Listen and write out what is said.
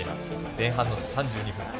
前半の３２分。